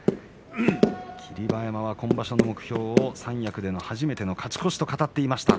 霧馬山は今場所の目標を三役での勝ち越しと言っていました。